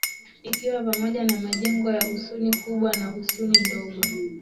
ikiwa pamoja na majengo ya Husuni kubwa na Husuni ndogo